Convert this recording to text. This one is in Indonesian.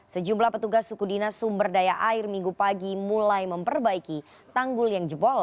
sejumlah petugas suku dinas sumber daya air minggu pagi mulai memperbaiki tanggul yang jebol